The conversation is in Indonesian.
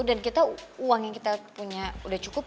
dan kita uang yang kita punya udah cukup